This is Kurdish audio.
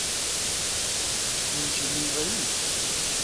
Tu ji min re yî.